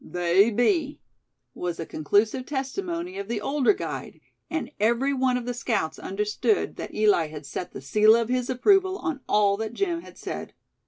"They be," was the conclusive testimony of the older guide; and every one of the scouts understood that Eli had set the seal of his approval on all that Jim had said.